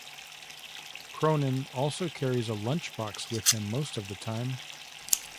Cronin also carries a lunch box with him most of the time.